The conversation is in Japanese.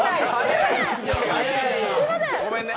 すいません！